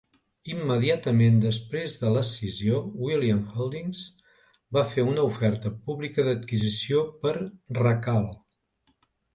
Immediatament després de l'escissió, Williams Holdings va fer una oferta pública d'adquisició per Racal.